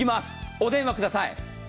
お電話ください。